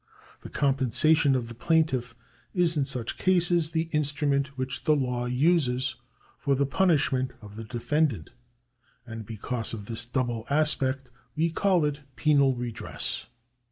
The com pensation of the plaintiff is in such cases the instrument which the law uses for the punishment of the defendant, and because of this double aspect we call it penal redress.